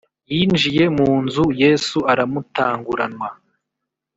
Yinjiye mu nzu, Yesu aramutanguranwa